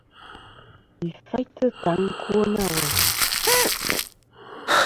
Yi faytɨ taŋ ɨkwo nâ weyn.